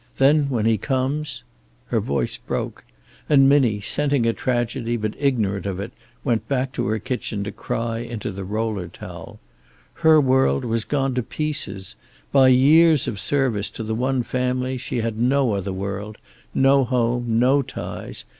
Then, when he comes " Her voice broke and Minnie, scenting a tragedy but ignorant of it, went back to her kitchen to cry into the roller towel. Her world was gone to pieces. By years of service to the one family she had no other world, no home, no ties.